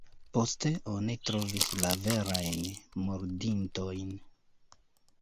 Poste oni trovis la verajn murdintojn.